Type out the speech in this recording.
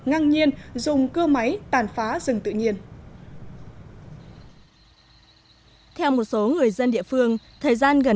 ngang nhiên dùng cưa máy tàn phá rừng tự nhiên theo một số người dân địa phương thời gian gần